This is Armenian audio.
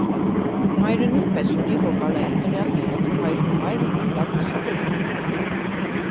Մայրը նույնպես ունի վոկալային տվյալներ, հայրն ու մայրն ունեն լավ լսողություն։